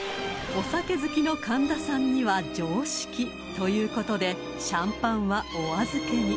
［お酒好きの神田さんには常識ということでシャンパンはお預けに］